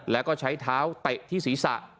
แล้วก็ใช้เท้าเตะที่ศีรษะ